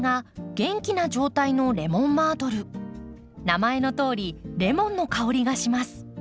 名前のとおりレモンの香りがします。